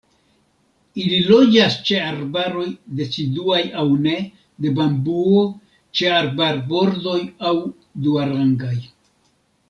Ili loĝas ĉe arbaroj deciduaj aŭ ne, de bambuo, ĉe arbarbordoj aŭ duarangaj.